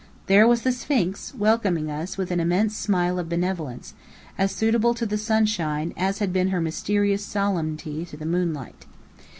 There was the Sphinx welcoming us with an immense smile of benevolence, as suitable to the sunshine as had been her mysterious solemnity to the moonlight.